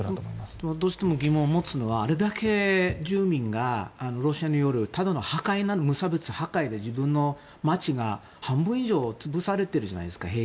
どうしても疑問を持つのはあれだけ住民がロシアによる無差別破壊で自分の街が半分以上平気で潰されているじゃないですか。